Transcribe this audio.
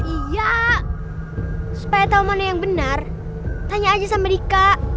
iya supaya tahu mana yang benar tanya aja sama dika